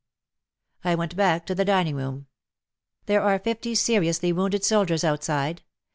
I went back to the dining room. " There are fifty seriously wounded soldiers outside.